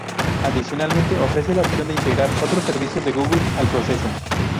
Adicionalmente, ofrece la opción de integrar otros servicios de Google al proceso.